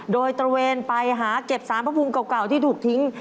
โดยตระเวนไปหาเก็บสารพระภูมิเก่าที่ถูกทิ้ง